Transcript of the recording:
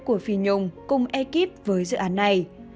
của phi nhung cùng ekip với dự án này